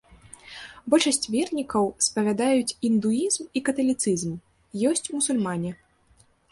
Большасць вернікаў спавядаюць індуізм і каталіцызм, ёсць мусульмане.